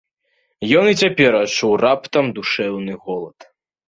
Ён і цяпер адчуў раптам душэўны голад.